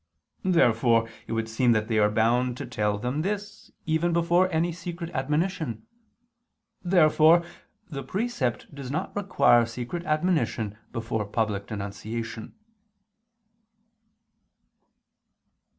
Therefore it would seem that they are bound to tell them this, even before any secret admonition. Therefore the precept does not require secret admonition before public denunciation.